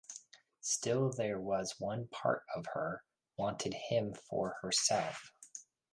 Still there was one part of her wanted him for herself.